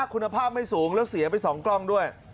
คุณภาพไม่สูงแล้วเสียไป๒กล้องด้วย